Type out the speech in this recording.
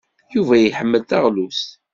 Yuba iḥemmel taɣlust.